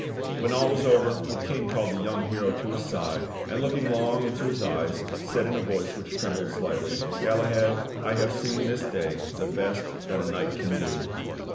When all was over the King called the young hero to his side, and looking long into his eyes said in a voice which trembled slightly : "Galahad, I have seen this day the best that a knight can do!"